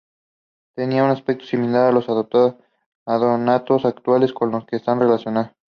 Tenían un aspecto similar a los odonatos actuales, con los que están relacionados.